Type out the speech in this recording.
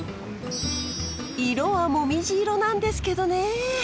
色はモミジ色なんですけどねえ。